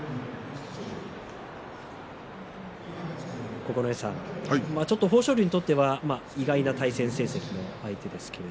九重さん、豊昇龍にとっては意外な対戦成績の相手です。